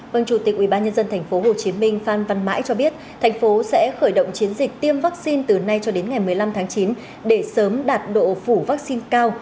vâng chủ tịch ubnd tp hcm phan văn mãi cho biết thành phố sẽ khởi động chiến dịch tiêm vaccine từ nay cho đến ngày một mươi năm tháng chín để sớm đạt độ phủ vaccine cao